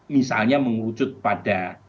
misalnya mengucut pada